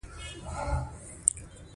د خپل کور او وطن ساتنه د هر چا دنده ده.